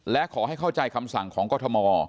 และขอให้เข้าใจคำสั่งของกรทม